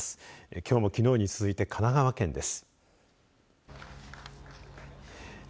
きょうもきのうに続いて神奈川県です。